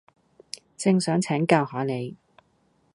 正想請教吓你